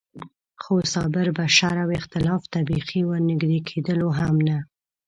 خو صابر به شر او اختلاف ته بېخي ور نږدې کېدلو هم نه.